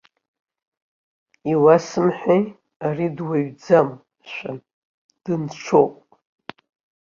Иуасымҳәеи, ари дуаҩӡам, мшәан, дынцәоуп!